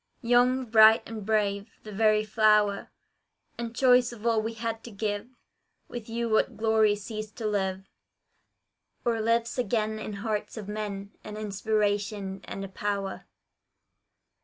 Young, bright and brave, the very flower And choice of all we had to give, With you what glory ceased to live, Or lives again in hearts of men. An inspiration and a power!